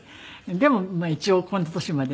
でもまあ一応この年まで。